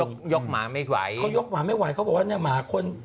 เขายกหมาไม่ไหวเขายกหมาไม่ไหวเขาบอกว่าเนี่ยหมาคน